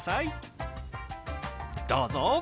どうぞ！